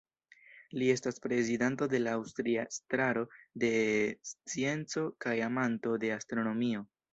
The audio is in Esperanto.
Li estas prezidanto de la Aŭstria Estraro de Scienco kaj amanto de astronomio.